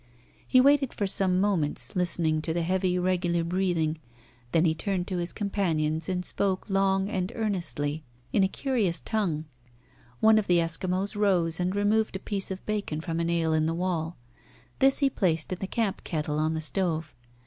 He waited for some moments listening to the heavy, regular breathing, then he turned to his companions and spoke long and earnestly in a curious tongue. One of the Eskimos rose and removed a piece of bacon from a nail in the wall. This he placed in the camp kettle on the stove.